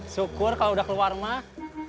syukur kalau udah keluar rumah